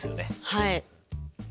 はい。